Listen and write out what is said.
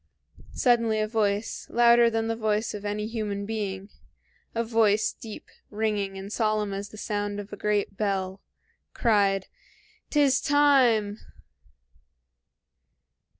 Suddenly a voice, louder than the voice of any human being, a voice deep, ringing, and solemn as the sound of a great bell, cried, "'T is time!"